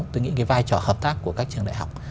tôi nghĩ cái vai trò hợp tác của các trường đại học